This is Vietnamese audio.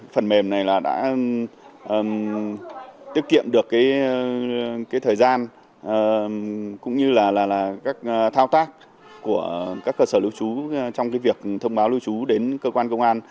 phần mềm này là đã tiết kiệm được thời gian cũng như là các thao tác của các cơ sở lưu trú trong việc thông báo lưu trú đến cơ quan công an